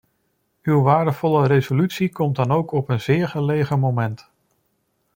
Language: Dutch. Uw waardevolle resolutie komt dan ook op een zeer gelegen moment.